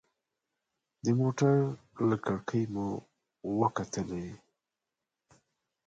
له موټر کړکۍ مې وکتلې.